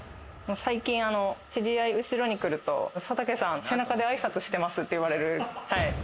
最近知り合い、後ろに来ると、佐竹さん、背中で挨拶してますって言われる。